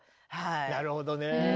なるほどね。